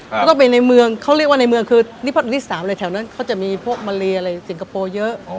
อ่าเขาต้องไปในเมืองเขาเรียกว่าในเมืองคือนิพัฒนาที่สามอะไรแถวนั้นเขาจะมีพวกมะเรียอะไรสิงคโปรเยอะ